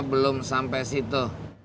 belum sampai situ